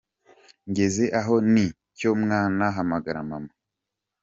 Ngeze aho nti: cyo mwana hamagara Mama.